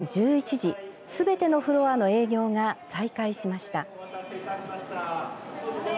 そして午前１１時すべてのフロアの営業が再開しました。